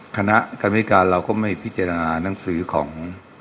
คณะกรรมธิการเราก็ไม่พิจารณานังสือของ